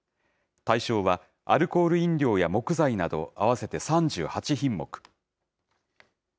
対象は、アルコール飲料や木材など、合わせて３８品目。